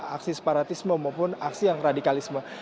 aksi separatisme maupun aksi yang radikalisme